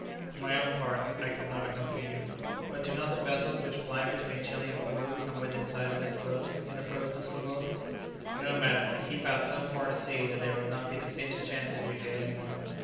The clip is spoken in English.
For my own part, I could not accompany you." "But do not the vessels which ply between Chili and Peru come within sight of this coast?" interposed Mrs. Weldon. "No, madam; they keep out so far to sea that there would not be the faintest chance of your hailing one."